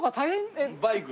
バイク。